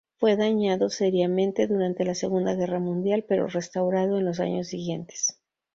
Fue dañado seriamente durante la Segunda Guerra Mundial pero restaurado en los años siguientes.